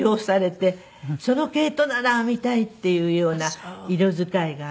その毛糸なら編みたいっていうような色使いが。